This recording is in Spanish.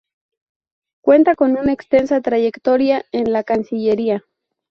Cuenta con una extensa trayectoria en la Cancillería.